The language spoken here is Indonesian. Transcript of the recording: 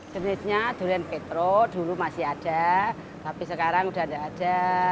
jenitnya durian petruk dulu masih ada tapi sekarang sudah tidak ada